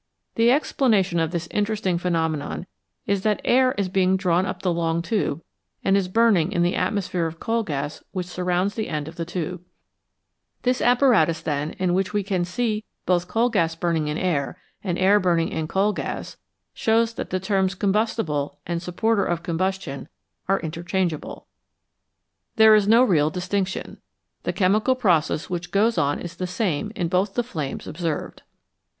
The explanation of this interesting phenomenon is that air is being drawn up the long tube and is burning in the atmosphere of coal gas which surrounds the end of the flame of tube. This apparatus, then, in which we can burning see both coal gas burning in air, and air hydrogen. b urnm g j n coa } g as? shows that the terms " combustible," and " supporter of combustion " are inter changeable. There is no real distinction ; the chemical process which goes on is the same in both the flames observed.